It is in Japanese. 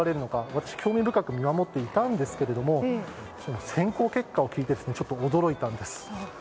私、興味深く見守っていたんですが選考結果を聞いてちょっと驚いたんです。